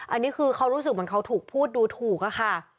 อันนี้คือเขารู้สึกเหมือนเขาถูกพูดดูถูกอะค่ะ